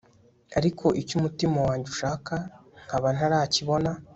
ariko icyo umutima wanjye ushaka nkaba ntarakibona